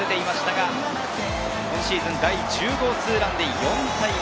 今シーズン第１０号ホームランで４対０。